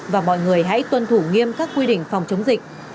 và mọi người hãy tuân thủ nghiêm các quy định phòng chống dịch